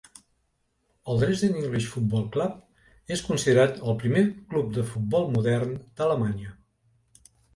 El Dresden English Football Club és considerat el primer club de futbol modern d'Alemanya.